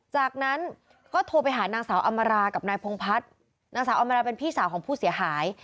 จากนั้นก็โทรไปหานางสาวอำมารากับนายพงพัฒน์นางสาวอำราเป็นพี่สาวของผู้เสียหาย